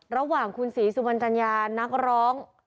ระหว่างคุณศรีสุวรรณจัญญานักร้อง